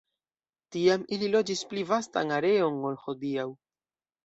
Tiam ili loĝis pli vastan areon ol hodiaŭ.